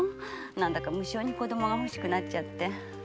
何だか無性に子供がほしくなっちゃって。